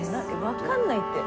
分かんないって。